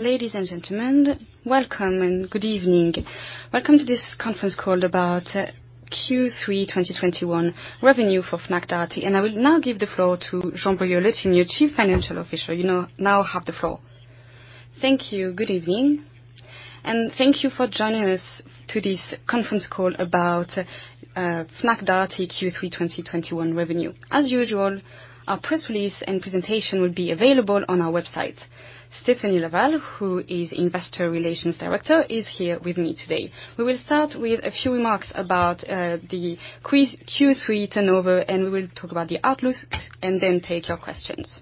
Ladies and gentlemen, welcome and good evening. Welcome to this conference call about Q3 2021 revenue for Fnac Darty. I will now give the floor to Jean-Brieuc Le Tinier, new Chief Financial Officer. You now have the floor. Thank you. Good evening, and thank you for joining us to this conference call about Fnac Darty Q3 2021 revenue. As usual, our press release and presentation will be available on our website. Stéphanie Laval, who is Investor Relations Director, is here with me today. We will start with a few remarks about the Q3 turnover, and we will talk about the outlook and then take your questions.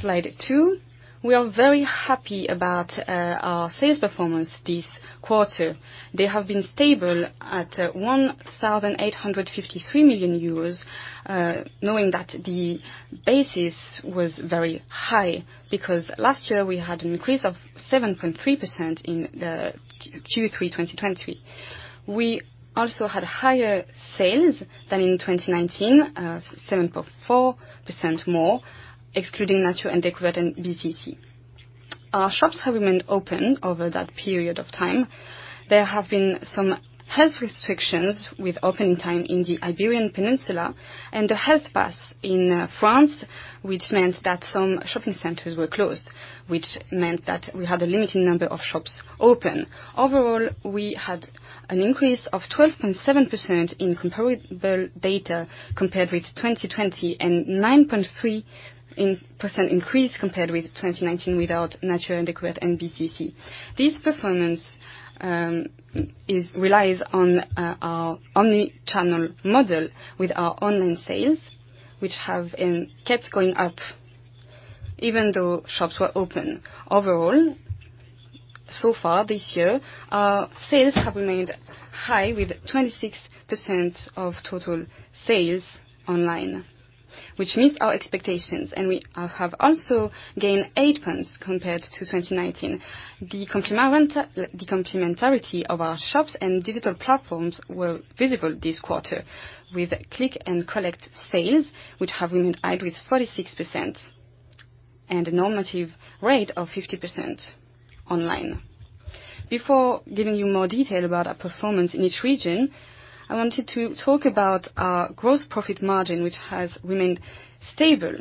Slide two. We are very happy about our sales performance this quarter. They have been stable at 1.853 billion euros, knowing that the basis was very high because last year we had an increase of 7.3% in the Q3 2020. We also had higher sales than in 2019, 7.4% more, excluding Nature & Découvertes and BCC. Our shops have remained open over that period of time. There have been some health restrictions with opening time in the Iberian Peninsula and the health pass in France, which meant that some shopping centers were closed, which meant that we had a limited number of shops open. We had an increase of 12.7% in comparable data compared with 2020 and 9.3% increase compared with 2019 without Nature & Découvertes and BCC. This performance relies on our omni-channel model with our online sales, which have kept going up even though shops were open. So far this year, our sales have remained high with 26% of total sales online, which meets our expectations, and we have also gained 8 points compared to 2019. The complementarity of our shops and digital platforms were visible this quarter with click and collect sales, which have remained high with 46% and a normative rate of 50% online. Before giving you more detail about our performance in each region, I wanted to talk about our gross profit margin, which has remained stable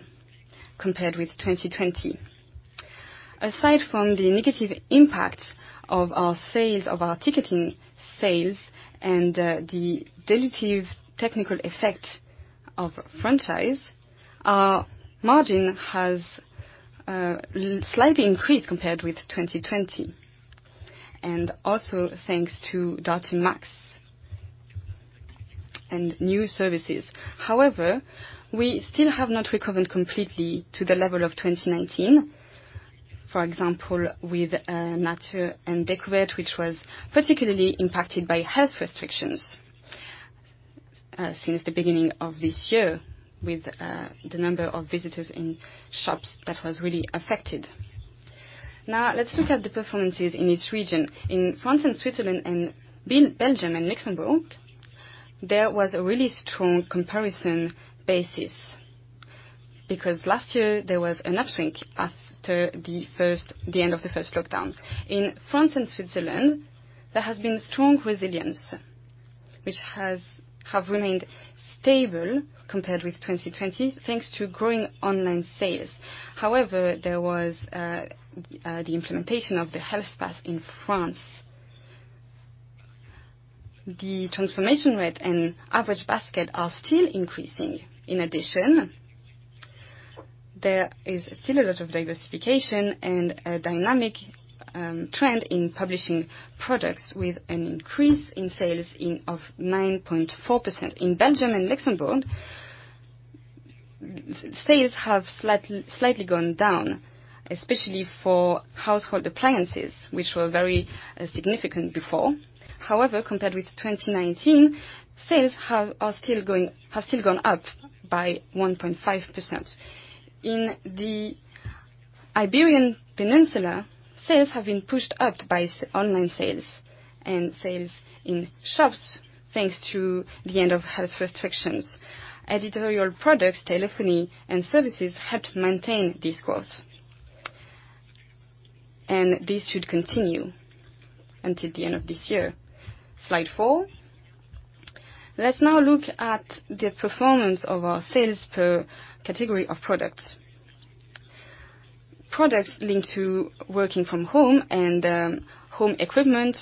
compared with 2020. Aside from the negative impact of our ticketing sales and the dilutive technical effect of franchise, our margin has slightly increased compared with 2020, and also thanks to Darty Max and new services. However, we still have not recovered completely to the level of 2019. For example, with Nature & Découvertes, which was particularly impacted by health restrictions since the beginning of this year with the number of visitors in shops that was really affected. Now, let's look at the performances in each region. In France and Switzerland and Belgium and Luxembourg, there was a really strong comparison basis because last year there was an upswing after the end of the first lockdown. In France and Switzerland, there has been strong resilience, which have remained stable compared with 2020, thanks to growing online sales. However, there was the implementation of the health pass in France. The transformation rate and average basket are still increasing. In addition, there is still a lot of diversification and a dynamic trend in publishing products with an increase in sales of 9.4%. In Belgium and Luxembourg, sales have slightly gone down, especially for household appliances, which were very significant before. However, compared with 2019, sales have still gone up by 1.5%. In the Iberian Peninsula, sales have been pushed up by online sales and sales in shops, thanks to the end of health restrictions. Editorial products, telephony, and services helped maintain this growth. This should continue until the end of this year. Slide four. Let's now look at the performance of our sales per category of products. Products linked to working from home and home equipment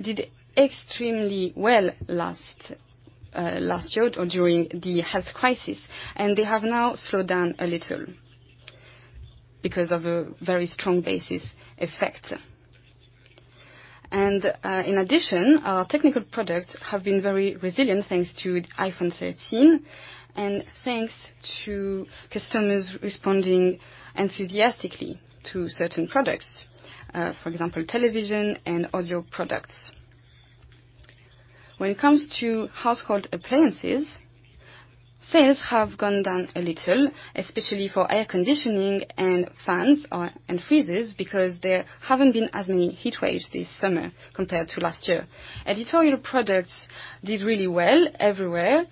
did extremely well last year or during the health crisis. They have now slowed down a little because of a very strong basis effect. In addition, our technical products have been very resilient thanks to iPhone 13 and thanks to customers responding enthusiastically to certain products, for example, television and audio products. When it comes to household appliances, sales have gone down a little, especially for air conditioning and fans and freezers, because there haven't been as many heat waves this summer compared to last year. Editorial products did really well everywhere.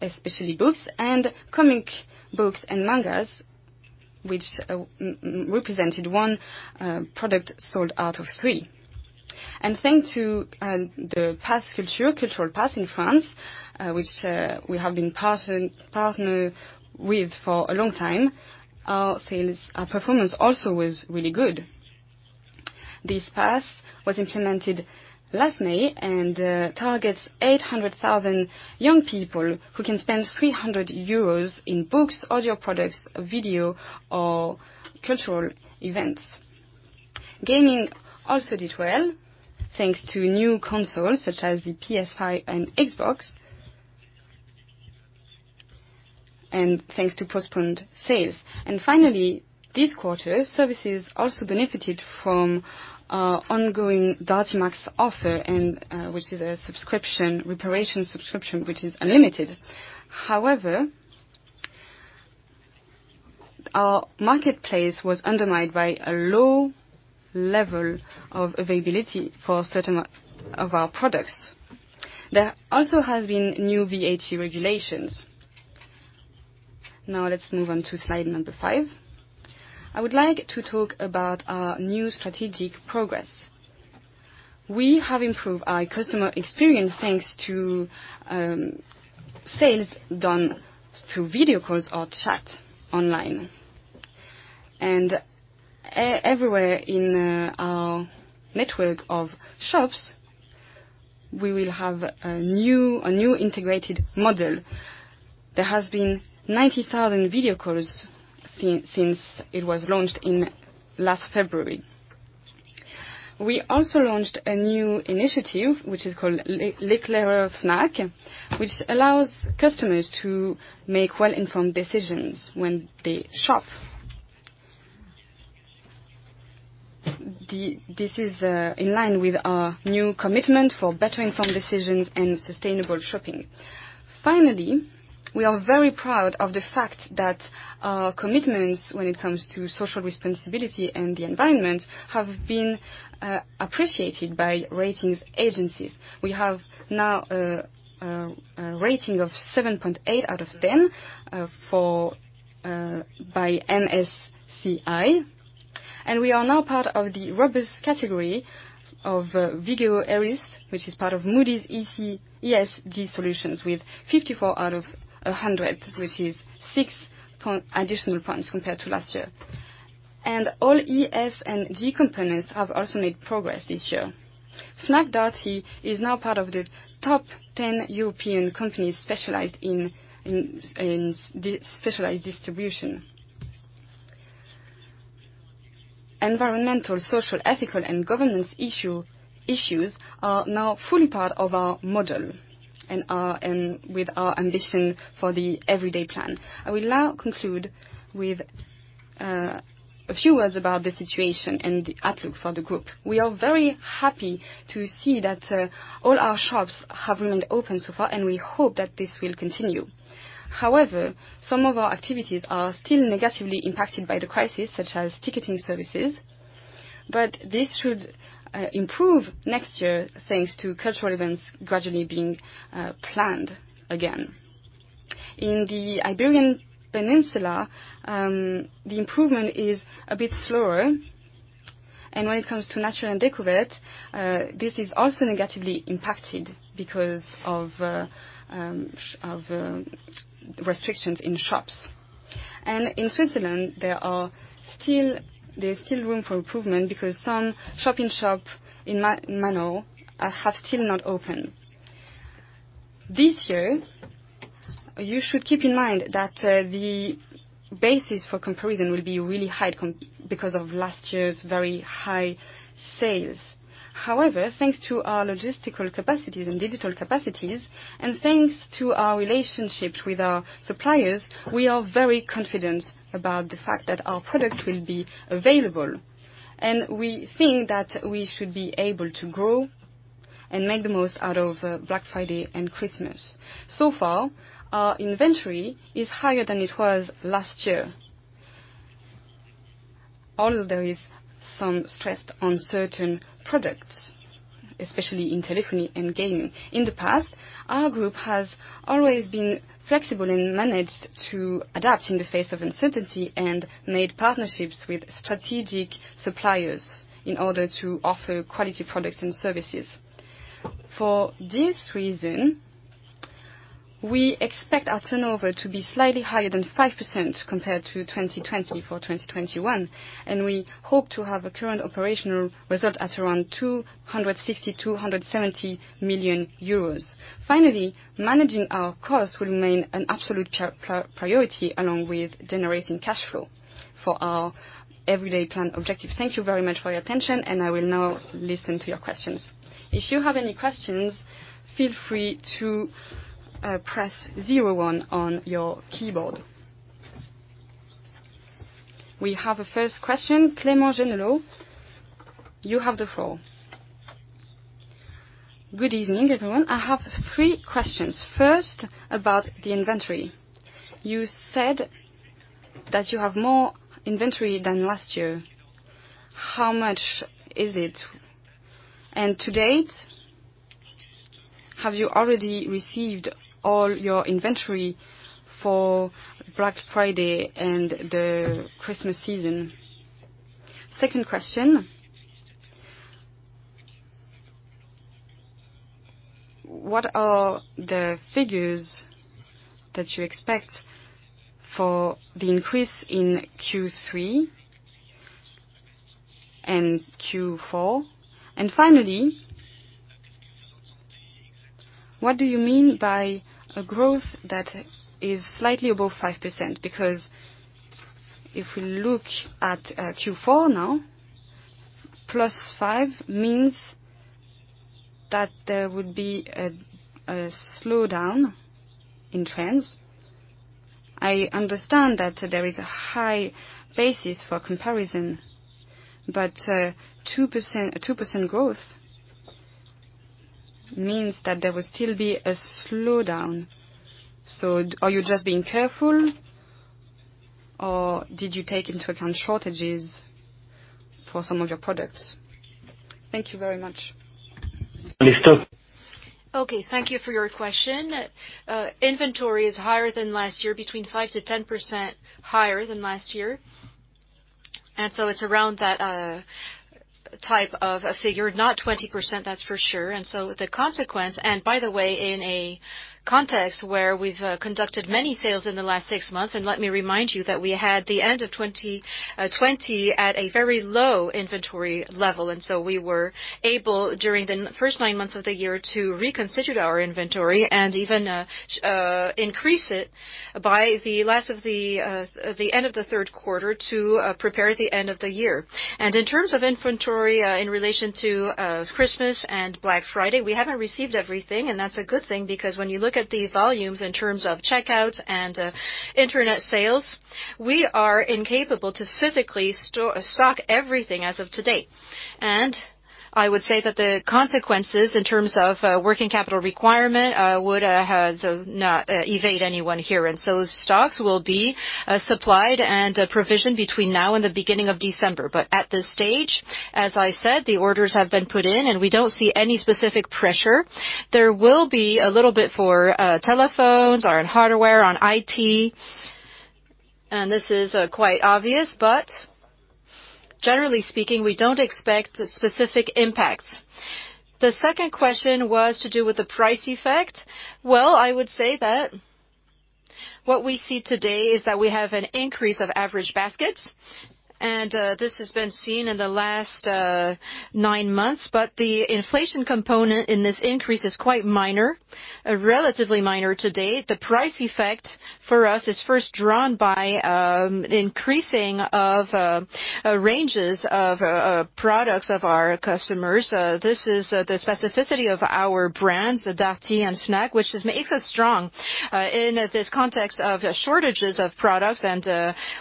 Especially books and comic books and mangas, which represented one product sold out of three. Thanks to the Pass Culture, cultural pass in France, which we have been partnered with for a long time, our performance also was really good. This pass was implemented last May and targets 800,000 young people who can spend 300 euros in books, audio products, video, or cultural events. Gaming also did well, thanks to new consoles such as the PS5 and Xbox, and thanks to postponed sales. Finally, this quarter, services also benefited from our ongoing Darty Max offer, which is a subscription reparation subscription which is unlimited. However, our marketplace was undermined by a low level of availability for certain of our products. There also has been new VAT regulations. Now let's move on to slide number five. I would like to talk about our new strategic progress. We have improved our customer experience thanks to sales done through video calls or chat online. Everywhere in our network of shops, we will have a new integrated model. There have been 90,000 video calls since it was launched last February. We also launched a new initiative, which is called L'Éclaireur Fnac, which allows customers to make well-informed decisions when they shop. This is in line with our new commitment for better informed decisions and sustainable shopping. We are very proud of the fact that our commitments when it comes to social responsibility and the environment have been appreciated by ratings agencies. We have now a rating of 7.8 out of 10 by MSCI, and we are now part of the Robust category of Vigeo Eiris, which is part of Moody's ESG Solutions with 54 out of 100, which is six additional points compared to last year. All ES and G components have also made progress this year. Fnac Darty is now part of the top 10 European companies specialized in specialized distribution. Environmental, social, ethical, and governance issues are now fully part of our model and with our ambition for the Everyday plan. I will now conclude with a few words about the situation and the outlook for the group. We are very happy to see that all our shops have remained open so far, and we hope that this will continue. However, some of our activities are still negatively impacted by the crisis, such as ticketing services. This should improve next year, thanks to cultural events gradually being planned again. In the Iberian Peninsula, the improvement is a bit slower. When it comes to Nature & Découvertes, this is also negatively impacted because of restrictions in shops. In Switzerland, there's still room for improvement because some shop-in-shop in Manor have still not opened. This year, you should keep in mind that the basis for comparison will be really high because of last year's very high sales. However, thanks to our logistical capacities and digital capacities, and thanks to our relationships with our suppliers, we are very confident about the fact that our products will be available. We think that we should be able to grow and make the most out of Black Friday and Christmas. Far, our inventory is higher than it was last year, although there is some stress on certain products, especially in telephony and gaming. In the past, our group has always been flexible and managed to adapt in the face of uncertainty and made partnerships with strategic suppliers in order to offer quality products and services. For this reason, we expect our turnover to be slightly higher than 5% compared to 2020 for 2021, and we hope to have a current operational result at around 260 million-270 million euros. Finally, managing our costs will remain an absolute priority, along with generating cash flow for our Everyday plan objective. Thank you very much for your attention, and I will now listen to your questions. If you have any questions, feel free to press zero one on your keyboard. We have a first question. Clément Genelot, you have the floor. Good evening, everyone. I have three questions. First, about the inventory. You said that you have more inventory than last year. How much is it? To date, have you already received all your inventory for Black Friday and the Christmas season? Second question, what are the figures that you expect for the increase in Q3 and Q4? Finally, what do you mean by a growth that is slightly above 5%? If we look at Q4 now, +5% means that there would be a slowdown in trends. I understand that there is a high basis for comparison, 2% growth means that there will still be a slowdown. Are you just being careful, or did you take into account shortages for some of your products? Thank you very much. Okay, thank you for your question. Inventory is higher than last year, between 5%-10% higher than last year. It's around that type of a figure, not 20%, that's for sure. The consequence, and by the way, in a context where we've conducted many sales in the last six months, and let me remind you that we had the end of 2020 at a very low inventory level. We were able, during the first nine months of the year, to reconstitute our inventory and even increase it by the end of the third quarter to prepare the end of the year. In terms of inventory in relation to Christmas and Black Friday, we haven't received everything, and that's a good thing, because when you look at the volumes in terms of checkouts and internet sales, we are incapable to physically stock everything as of to date. I would say that the consequences in terms of working capital requirement would not evade anyone here. Stocks will be supplied and provisioned between now and the beginning of December. At this stage, as I said, the orders have been put in and we don't see any specific pressure. There will be a little bit for telephones or in hardware on IT. This is quite obvious, but generally speaking, we don't expect specific impacts. The second question was to do with the price effect. Well, I would say that what we see today is that we have an increase of average baskets, and this has been seen in the last nine months. The inflation component in this increase is quite minor, relatively minor to date. The price effect for us is first drawn by increasing of ranges of products of our customers. This is the specificity of our brands, Darty and Fnac, which makes us strong in this context of shortages of products.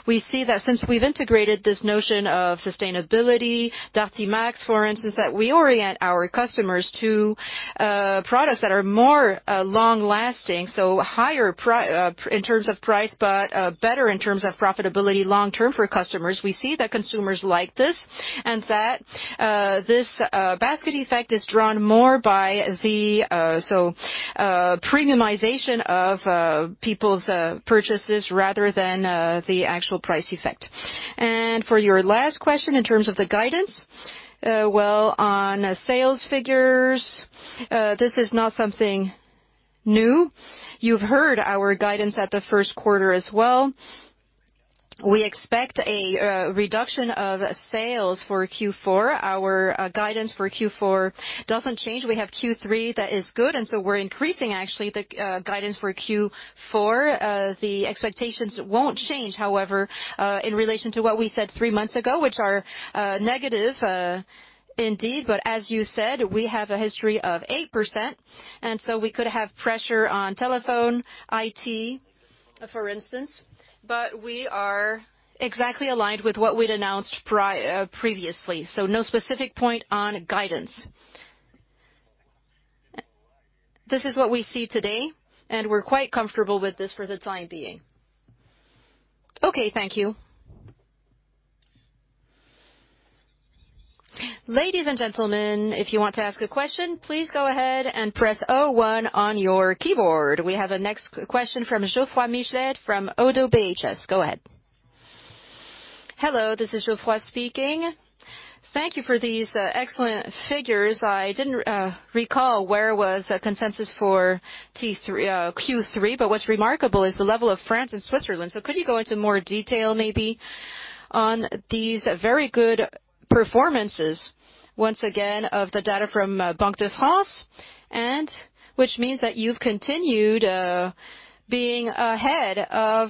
We see that since we've integrated this notion of sustainability, Darty Max, for instance, that we orient our customers to products that are more long-lasting, so higher in terms of price, but better in terms of profitability long-term for customers. We see that consumers like this, and that this basket effect is drawn more by the premiumization of people's purchases rather than the actual price effect. For your last question, in terms of the guidance, well, on sales figures this is not something new. You've heard our guidance at the first quarter as well. We expect a reduction of sales for Q4. Our guidance for Q4 doesn't change. We have Q3 that is good, we're increasing actually the guidance for Q4. The expectations won't change, however, in relation to what we said three months ago, which are negative indeed. As you said, we have a history of 8%, we could have pressure on telephone, IT, for instance. We are exactly aligned with what we'd announced previously. No specific point on guidance. This is what we see today, we're quite comfortable with this for the time being. Okay, thank you. We have a next question from Geoffroy Michelet from Oddo BHF. Hello, this is Geoffroy speaking. Thank you for these excellent figures. I didn't recall where was consensus for Q3, but what's remarkable is the level of France and Switzerland. Could you go into more detail maybe on these very good performances, once again, of the data from Banque de France, and which means that you've continued being ahead of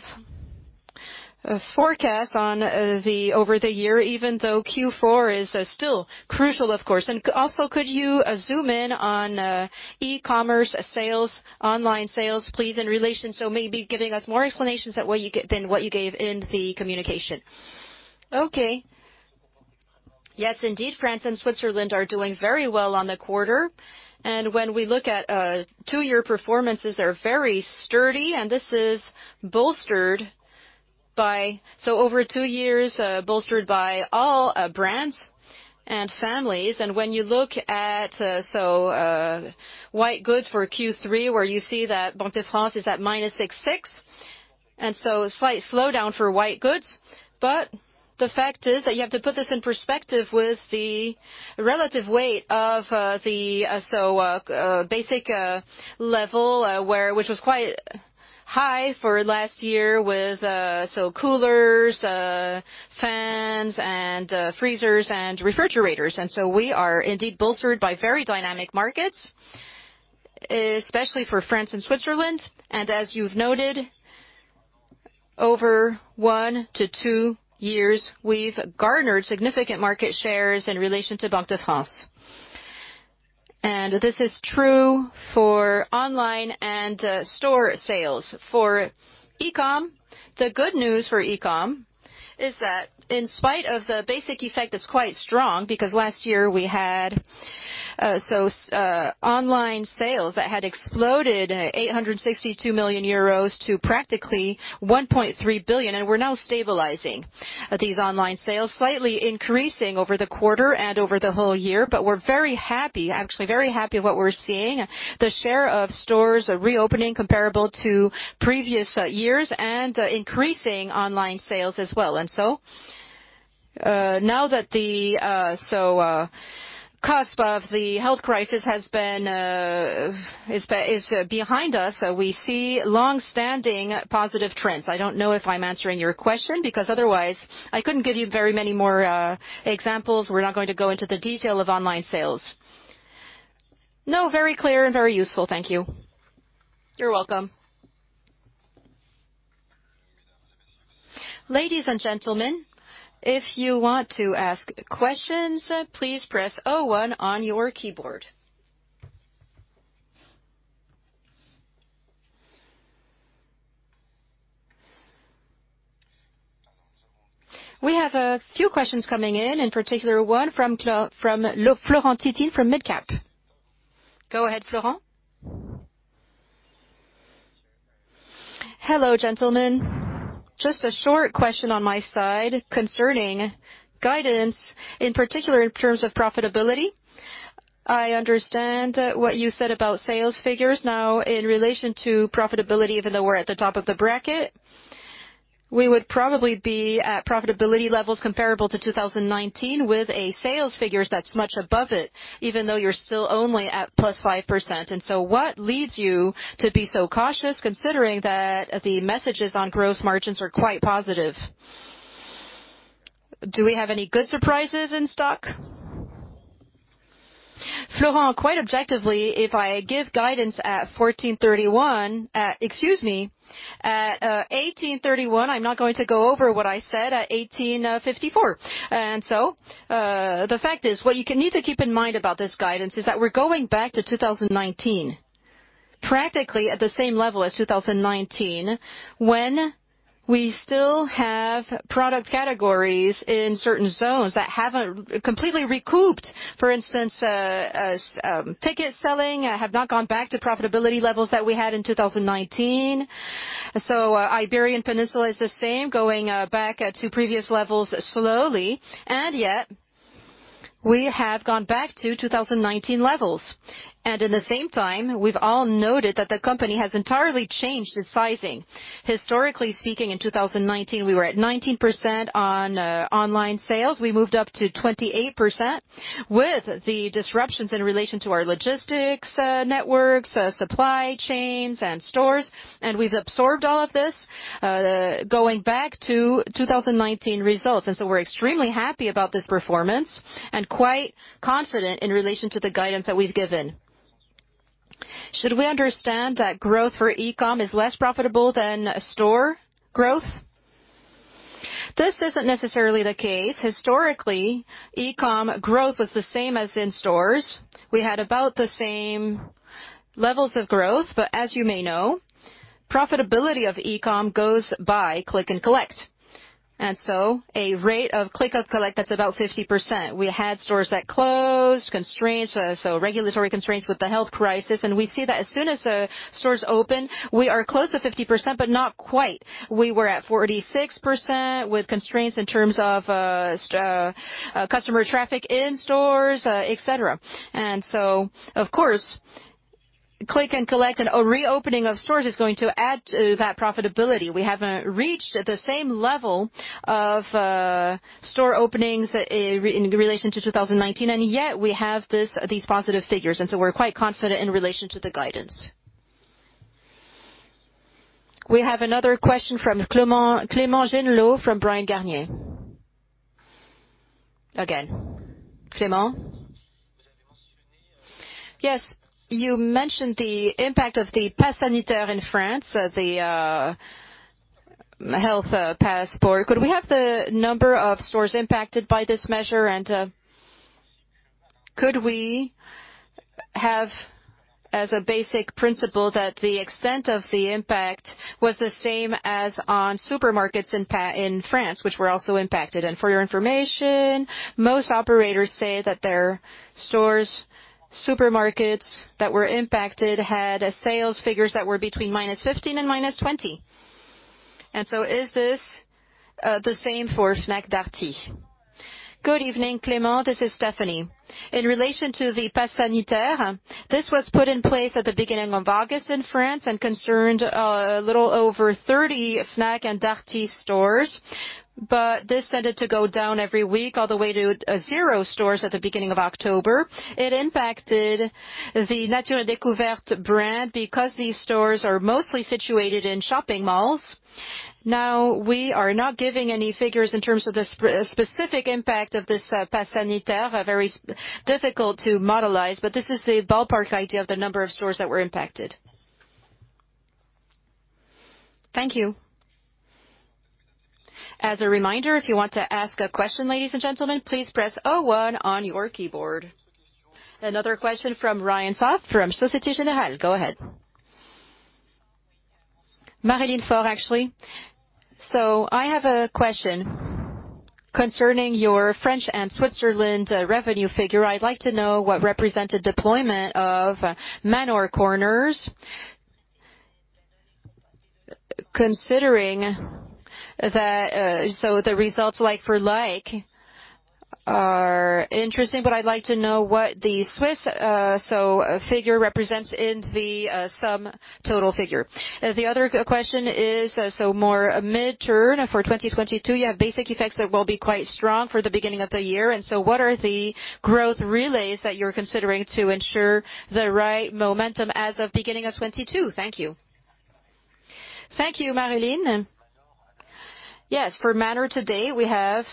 forecast over the year, even though Q4 is still crucial, of course. Also, could you zoom in on e-commerce sales, online sales, please, in relation, so maybe giving us more explanations than what you gave in the communication? Okay. Yes, indeed, France and Switzerland are doing very well on the quarter. When we look at two-year performances are very sturdy, this is bolstered over two years by all brands and families. When you look at white goods for Q3, where you see that Banque de France is at -66. Slight slowdown for white goods. The fact is that you have to put this in perspective with the relative weight of the basic level, which was quite high for last year with coolers, fans, and freezers and refrigerators. We are indeed bolstered by very dynamic markets, especially for France and Switzerland. As you've noted, over one to two years, we've garnered significant market shares in relation to Banque de France. This is true for online and store sales. For e-com, the good news for e-com is that in spite of the base effect that's quite strong, because last year we had online sales that had exploded 862 million euros to practically 1.3 billion. We're now stabilizing these online sales, slightly increasing over the quarter and over the whole year. We're very happy, actually very happy with what we're seeing, the share of stores reopening comparable to previous years and increasing online sales as well. Now that the cusp of the health crisis is behind us, we see long-standing positive trends. I don't know if I'm answering your question because otherwise I couldn't give you very many more examples. We're not going to go into the detail of online sales. No, very clear and very useful. Thank you. You're welcome. Ladies and gentlemen, if you want to ask questions, please press 01 on your keyboard. We have a few questions coming in particular one from Florent Thy-tine from Midcap. Go ahead, Florent. Hello, gentlemen. Just a short question on my side concerning guidance, in particular in terms of profitability. I understand what you said about sales figures. Now in relation to profitability, even though we're at the top of the bracket, we would probably be at profitability levels comparable to 2019 with a sales figure that's much above it, even though you're still only at +5%. What leads you to be so cautious considering that the messages on gross margins are quite positive? Do we have any good surprises in stock? Florent, quite objectively, if I give guidance at 14:31, excuse me, at 18:31, I'm not going to go over what I said at 18:54. The fact is, what you need to keep in mind about this guidance is that we're going back to 2019. Practically at the same level as 2019, when we still have product categories in certain zones that haven't completely recouped. For instance, ticket selling have not gone back to profitability levels that we had in 2019. Iberian Peninsula is the same, going back to previous levels slowly, and yet we have gone back to 2019 levels. In the same time, we've all noted that the company has entirely changed its sizing. Historically speaking, in 2019, we were at 19% on online sales. We moved up to 28% with the disruptions in relation to our logistics networks, supply chains, and stores. We've absorbed all of this, going back to 2019 results. We are extremely happy about this performance and quite confident in relation to the guidance that we have given. Should we understand that growth for e-com is less profitable than store growth? This isn't necessarily the case. Historically, e-com growth was the same as in stores. We had about the same levels of growth, but as you may know, profitability of e-com goes by click and collect. A rate of click and collect that's about 50%. We had stores that closed, constraints, regulatory constraints with the health crisis, and we see that as soon as stores open, we are close to 50%, but not quite. We were at 46% with constraints in terms of customer traffic in stores, et cetera. Of course, click and collect and a reopening of stores is going to add to that profitability. We haven't reached the same level of store openings in relation to 2019, yet we have these positive figures, so we're quite confident in relation to the guidance. We have another question from Clément Genelot from Bryan, Garnier. Again. Clément? Yes. You mentioned the impact of the passe sanitaire in France, the health pass. Could we have the number of stores impacted by this measure? Could we have as a basic principle that the extent of the impact was the same as on supermarkets in France, which were also impacted? For your information, most operators say that their stores Supermarkets that were impacted had sales figures that were between -15% and -20%. Is this the same for Fnac Darty? Good evening, Clément, this is Stéphanie. In relation to the passe sanitaire, this was put in place at the beginning of August in France and concerned a little over 30 Fnac and Darty stores. This started to go down every week, all the way to 0 stores at the beginning of October. It impacted the Nature & Découvertes brand because these stores are mostly situated in shopping malls. Now, we are not giving any figures in terms of the specific impact of this passe sanitaire, very difficult to modelize, but this is the ballpark idea of the number of stores that were impacted. Thank you. As a reminder, if you want to ask a question, ladies and gentlemen, please press 01 on your keyboard. Another question from [Ryan Tsui] from Société Générale. Go ahead. Marie-Line Fort, actually. I have a question concerning your French and Switzerland revenue figure. I'd like to know what represented deployment of Manor corners, considering that the results like-for-like are interesting, but I'd like to know what the Swiss figure represents in the sum total figure. The other question is more mid-term for 2022. You have basic effects that will be quite strong for the beginning of the year, and so what are the growth relays that you're considering to ensure the right momentum as of beginning of 2022? Thank you. Thank you, Marie-Line. Yes, for Manor today, we have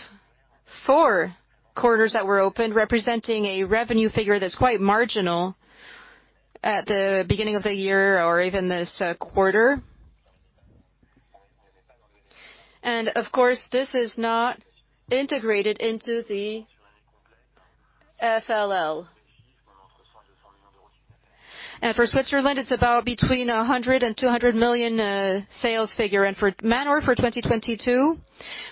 four corners that were opened representing a revenue figure that's quite marginal at the beginning of the year or even this quarter. Of course, this is not integrated into the LFL. For Switzerland, it's about between 100 million and 200 million sales figure. For Manor for 2022,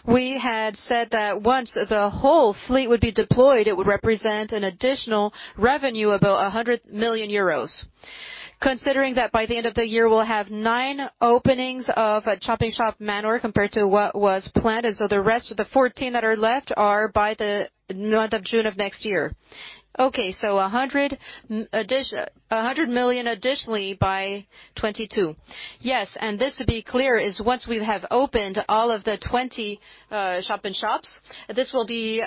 we had said that once the whole fleet would be deployed, it would represent an additional revenue about 100 million euros. Considering that by the end of the year, we will have nine openings of a shop-in-shop Manor compared to what was planned, the rest of the 14 that are left are by the month of June of next year. 100 million additionally by 2022. This, to be clear, is once we have opened all of the 20 shop-in-shops. This will be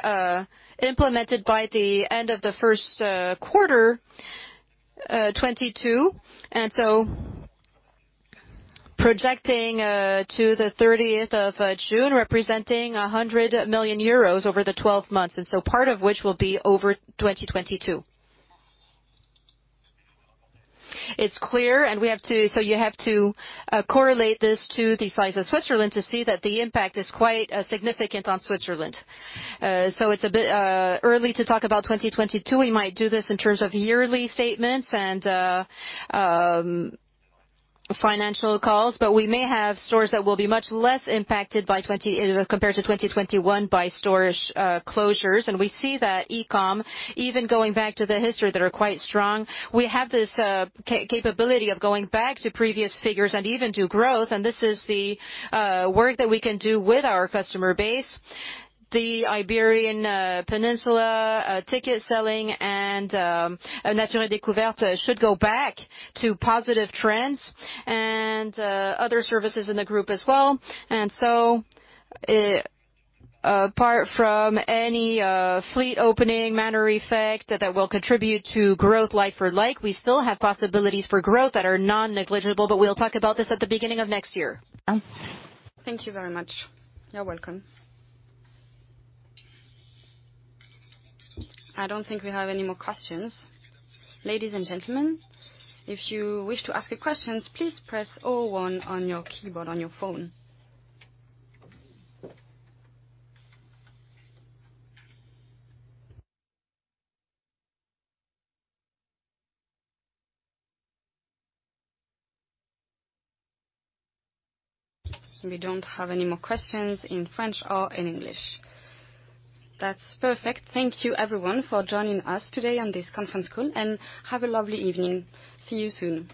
implemented by the end of the first quarter 2022, projecting to the 30th of June, representing 100 million euros over the 12 months, part of which will be over 2022. It's clear, you have to correlate this to the size of Switzerland to see that the impact is quite significant on Switzerland. It's a bit early to talk about 2022. We might do this in terms of yearly statements and financial calls, we may have stores that will be much less impacted compared to 2021 by storage closures. We see that e-com, even going back to the history that are quite strong, we have this capability of going back to previous figures and even to growth, this is the work that we can do with our customer base. The Iberian Peninsula ticket selling and Nature & Découvertes should go back to positive trends other services in the group as well. Apart from any fleet opening Manor effect that will contribute to growth like for like, we still have possibilities for growth that are non-negligible, but we'll talk about this at the beginning of next year. Thank you very much. You're welcome. I don't think we have any more questions. We don't have any more questions in French or in English. That's perfect. Thank you everyone for joining us today on this conference call, and have a lovely evening. See you soon.